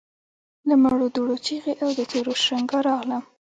له مړو دوړو چيغې او د تورو شرنګا راتله.